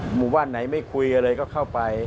หมู่บ้านไหนไม่คุยอะไรก็เข้าไป